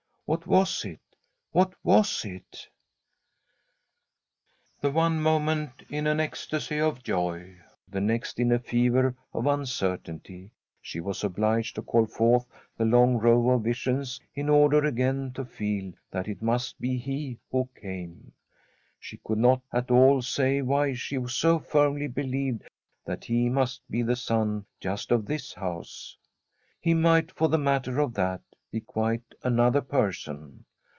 What was it, what was it ? The one moment in an ecstasy of joy, the next in a fever of uncertainty, she was obliged to call forth the long row of visions in order again to feel that it must be he who came. She could not at all say why she so firmly believed that he must be the son just of this house. He might, for the matter of that, be quite another person.